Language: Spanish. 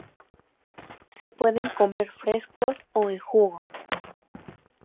Se pueden comer frescos o en jugo.